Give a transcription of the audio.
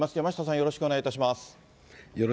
よろしくお願いします。